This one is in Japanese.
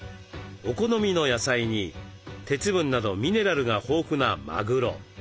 お好みの野菜に鉄分などミネラルが豊富なまぐろ。